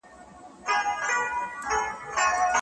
لکه سیوری داسي راغلم لکه سیوری داسي ځمه